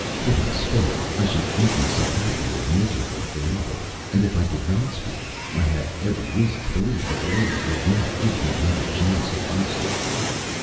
If I spoke, I should make myself happy or miserable forever, and if I did not speak I had every reason to believe that the lady would not give me another chance to do so.